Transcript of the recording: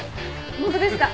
ホントですか？